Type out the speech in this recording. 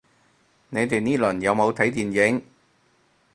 你哋呢輪有冇睇電影